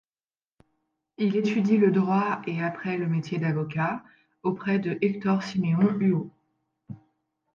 Il étudie le droit et après le métier d'avocat auprès de Hector-Siméon Huot.